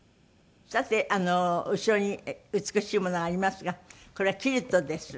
さて後ろに美しいものがありますがこれはキルトです。